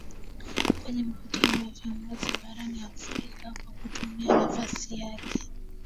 kwenye mkutano wa viongozi barani afrika kwa kutumia nafasi yake